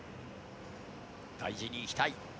大事にいきたい！